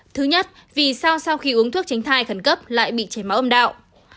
thứ nhất vì sao sau khi uống thuốc tránh thai khẩn cấp lại bị chảy máu âm đạo